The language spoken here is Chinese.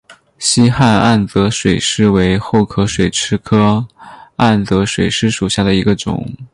希罕暗哲水蚤为厚壳水蚤科暗哲水蚤属下的一个种。